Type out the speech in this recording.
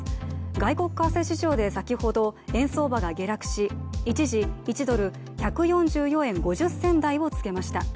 外国為替市場で先ほど円相場が下落し一時１ドル＝１４４円５０銭台をつけました。